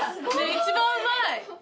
一番うまい。